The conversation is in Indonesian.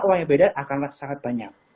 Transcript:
uang yang berbeda akan sangat banyak